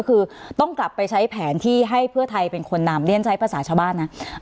คือต้องกลับไปใช้แผนที่ให้เพื่อไทยเป็นคนนำเรียนใช้ภาษาชาวบ้านนะ